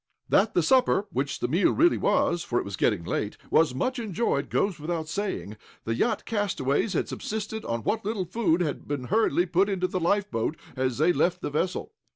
That the supper (which the meal really was, for it was getting late) was much enjoyed, goes without saying. The yacht castaways had subsisted on what little food had been hurriedly put into the life boat, as they left the vessel.